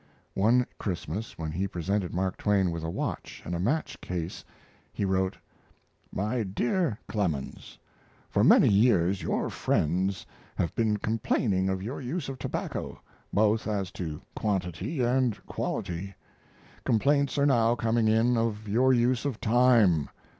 One Christmas, when he presented Mark Twain with a watch and a match case, he wrote: MY DEAR CLEMENS, For many years your friends have been complaining of your use of tobacco, both as to quantity and quality. Complaints are now coming in of your use of time.